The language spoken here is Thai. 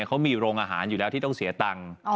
เขามีโรงอาหารอยู่แล้วที่ต้องเสียตังค์